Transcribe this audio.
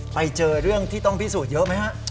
ไปเจอเรื่องที่ต้องพิสูจน์เยอะไหมฮะ